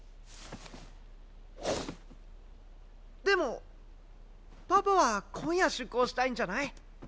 でもパパは今夜出航したいんじゃない？